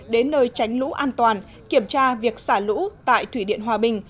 đến nơi tránh lũ an toàn kiểm tra việc xả lũ tại thủy điện hòa bình